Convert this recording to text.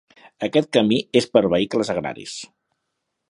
Aquest camí és per a vehicles agraris.